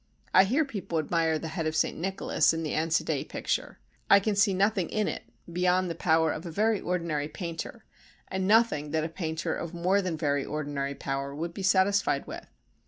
I hear people admire the head of S. Nicholas in the Ansidei picture. I can see nothing in it beyond the power of a very ordinary painter, and nothing that a painter of more than very ordinary power would be satisfied with.